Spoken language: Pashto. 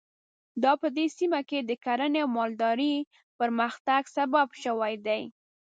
دا په دې سیمه کې د کرنې او مالدارۍ پرمختګ سبب شوي دي.